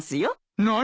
何！？